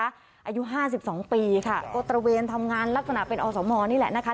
อายุ๕๒ปีค่ะก็ตระเวนทำงานลักษณะเป็นอสมนี่แหละนะคะ